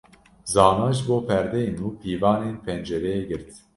Zana ji bo perdeyên nû pîvanên pencereyê girt.